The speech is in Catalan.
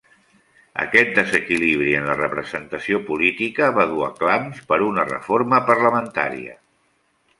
Aquest desequilibri en la representació política va dur a clams per una reforma parlamentària.